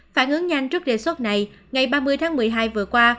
phản ứng nhanh trước đề xuất này ngày ba mươi tháng một mươi hai vừa qua